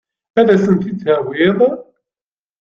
Ad as-tent-id-tawiḍ?